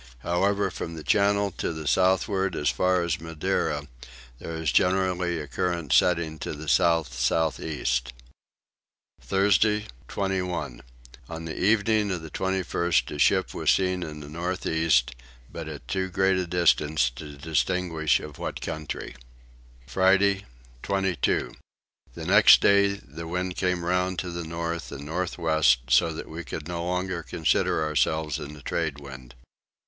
However from the channel to the southward as far as Madeira there is generally a current setting to the south south east. Thursday 21. On the evening of the 21st a ship was seen in the north east but at too great a distance to distinguish of what country. Friday 22. The next day the wind came round to the north and north west so that we could no longer consider ourselves in the tradewind.